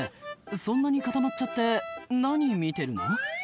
そんなに固まっちゃって何見てるの？